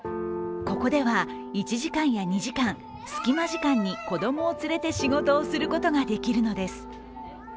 ここでは、１時間や２時間隙間時間に子供を連れて仕事をすることができるのです。